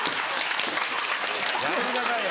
やめてくださいよ。